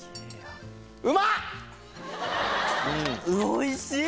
おいしい！